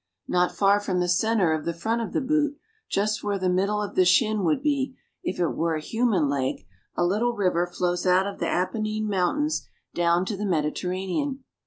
Not far from the center of the front of the boot, just where the middle of the shin would be, if it were a human leg, a little river flows out of the Apennine Mountains down to the Mediterranean.